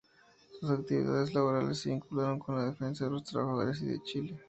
Sus actividades laborales se vincularon con la defensa de los trabajadores y de Chile.